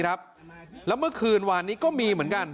แล้วเมื่อคืนวานนี้ก็มีเหมือนกัน